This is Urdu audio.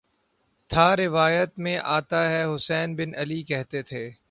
تھا روایات میں آتا ہے حسین بن علی کہتے تھے